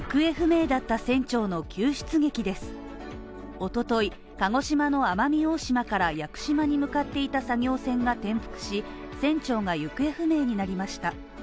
一昨日、鹿児島の奄美大島から屋久島に向かっていた作業船が転覆し、船長が行方不明になりました。